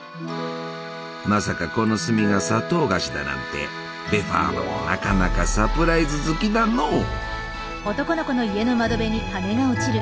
まさかこの炭が砂糖菓子だなんてベファーナもなかなかサプライズ好きだのう！